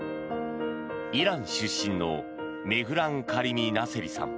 イラン出身のメフラン・カリミ・ナセリさん。